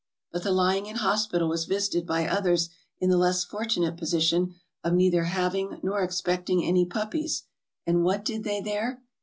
" But the lying in hospital was visited by others in the less fortunate position of neither having nor expecting any puppies; and what did they there